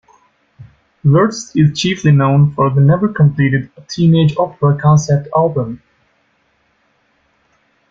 Wirtz is chiefly known for the never-completed "A Teenage Opera" concept album.